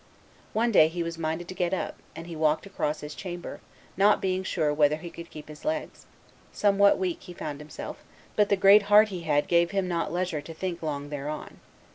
One day he was minded to get up, and he walked across his chamber, not being sure whether he could keep his legs; somewhat weak he found himself; but the great heart he had gave him not leisure to think long thereon.